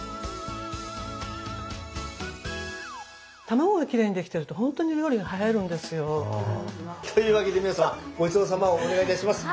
卵がきれいにできてるとほんとに料理が映えるんですよ。というわけで皆様ごちそうさまをお願いいたします。